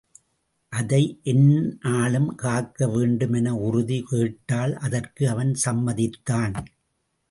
அதை எந்தநாளும் காக்க வேண்டும் என உறுதி கேட்டாள் அதற்கு அவன் சம்மதித்தான்.